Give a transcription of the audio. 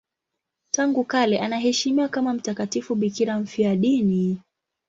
Tangu kale anaheshimiwa kama mtakatifu bikira mfiadini.